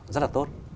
rất là tốt